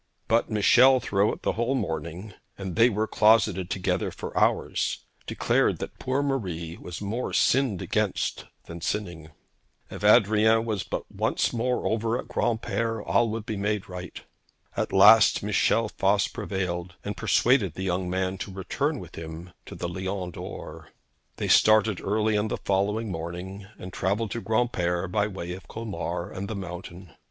But Michel throughout the whole morning, and they were closeted together for hours, declared that poor Marie was more sinned against than sinning. If Adrian was but once more over at Granpere, all would be made right. At last Michel Voss prevailed, and persuaded the young man to return with him to the Lion d'Or. They started early on the following morning, and travelled to Granpere by way of Colmar and the mountain.